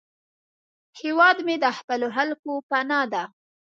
هیواد مې د خپلو خلکو پناه ده